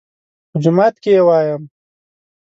_په جومات کې يې وايم.